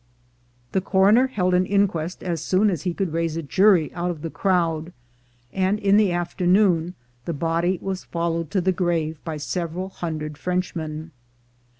The coroner held an inquest as soon as he could raise a jury out of the crowd, and in the afternoon the body was followed to the grave by several hundred Frenchmen.